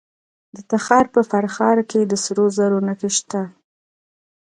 د تخار په فرخار کې د سرو زرو نښې شته.